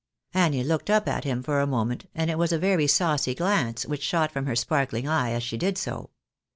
" Annie looked up at him for a moment, and it was a very saucy glance which shot from her sparkling eye as she did so.